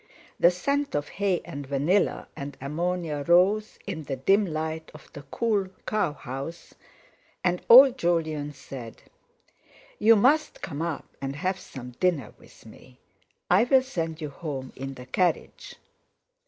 The scent of hay and vanilla and ammonia rose in the dim light of the cool cow house; and old Jolyon said: "You must come up and have some dinner with me. I'll send you home in the carriage."